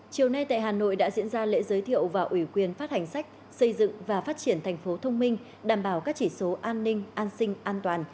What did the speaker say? chiều nay tại hà nội đã diễn ra lễ giới thiệu và ủy quyền phát hành sách xây dựng và phát triển thành phố thông minh đảm bảo các chỉ số an ninh an sinh an toàn